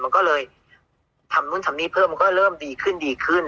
มันก็เลยทำนู่นทำนี่เพิ่มมันก็เริ่มดีขึ้นดีขึ้น